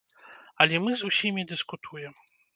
Але мы з усімі дыскутуем.